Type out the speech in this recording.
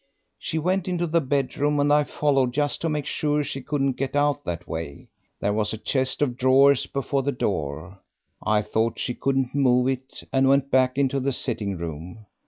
She went into the bedroom, and I followed, just to make sure she couldn't get out that way. There was a chest of drawers before the door; I thought she couldn't move it, and went back into the sitting room.